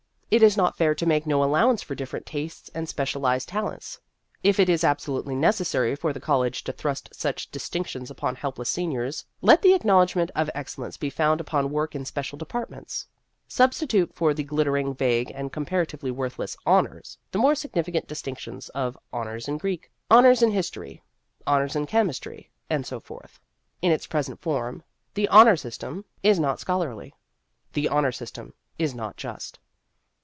It is not fair to make no allowance for different tastes and specialized talents. If it is absolutely necessary for the college to thrust such distinctions upon helpless seniors, let the acknowledgment of ex cellence be founded upon work in special departments. Substitute for the glitter ingly vague and comparatively worthless " Honors " the more significant distinctions of " Honors in Greek," " Honors in His tory," "Honors in Chemistry," and so forth. In its present form, the " Honor System " is 120 Vassar Studies not scholarly ; the " Honor System " is not just.